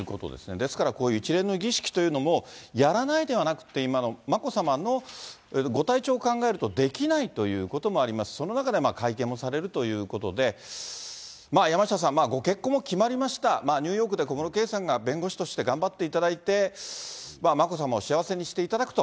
ですからこういう一連の儀式というのも、やらないではなくて、今の眞子さまのご体調を考えるとできないということもありますし、その中で会見もされるということで、まあ山下さん、ご結婚も決まりました、ニューヨークで小室圭さんが弁護士として頑張っていただいて、眞子さまを幸せにしていただくと。